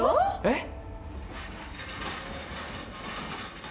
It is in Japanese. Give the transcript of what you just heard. えっ！？